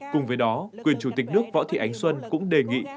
cùng với đó quyền chủ tịch nước võ thị ánh xuân cũng đề nghị